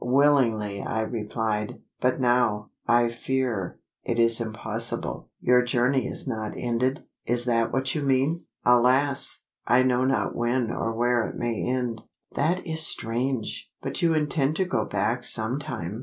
"Willingly," I replied; "but now I fear it is impossible." "Your journey is not ended? Is that what you mean?" "Alas! I know not when or where it may end." "That is strange! But you intend to go back some time?